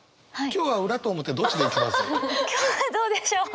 今日はどうでしょう？